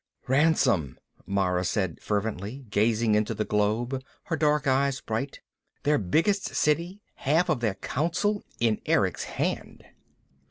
"Ransom," Mara said fervently, gazing into the globe, her dark eyes bright. "Their biggest City, half of their Council in Erick's hand!"